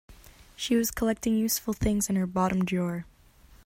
She was collecting useful things in her bottom drawer